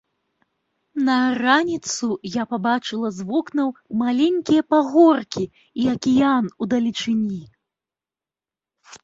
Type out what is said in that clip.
На раніцу я пабачыла з вокнаў маленькія пагоркі і акіян удалечыні.